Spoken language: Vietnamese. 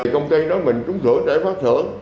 công ty nói mình trúng thưởng để phát thưởng